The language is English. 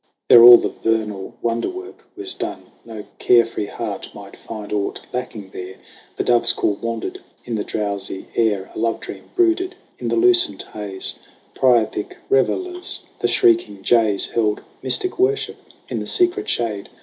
There all the vernal wonder work was done : No care free heart might find aught lacking there. The dove's call wandered in the drowsy air; A love dream brooded in the lucent haze. Priapic revellers, the shrieking jays Held mystic worship in the secret shade.